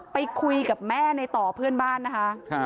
ไปคุยกับแม่ในต่อเพื่อนบ้านนะคะ